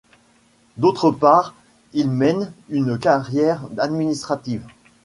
D'autre part, il mène une carrière administrative.